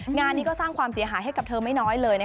งานนี้ก็สร้างความเสียหายให้กับเธอไม่น้อยเลย